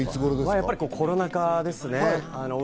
やっぱりコロナ禍ですね。